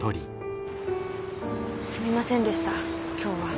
すみませんでした今日は。